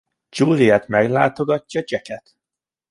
Juliet meglátogatja Jacket.